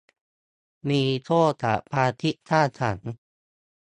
มีโชคจากความคิดสร้างสรรค์